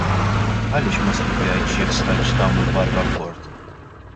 Għaliex ma studjajtx jekk stajtx tagħmlu barra l-port?